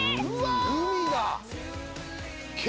海だ。